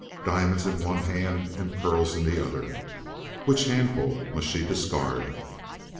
Diamonds in one hand and pearls in the other. Which handful must she discard?